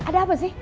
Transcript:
ada apa sih